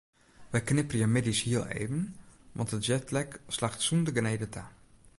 Wy knipperje middeis hiel even want de jetlag slacht sûnder genede ta.